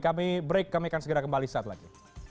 kami break kami akan segera kembali saat lagi